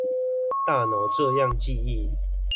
大腦這樣記憶